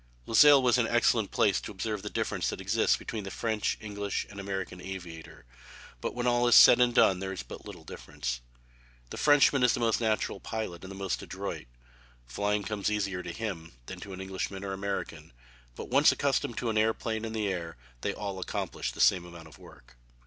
Luxeuil was an excellent place to observe the difference that exists between the French, English, and American aviator, but when all is said and done there is but little difference. The Frenchman is the most natural pilot and the most adroit. Flying comes easier to him than to an Englishman or American, but once accustomed to an airplane and the air they all accomplish the same amount of work.